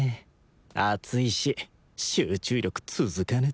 暑いし集中力続かねって！